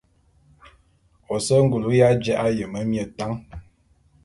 Ô se ngul ya ji'a yeme mie tan.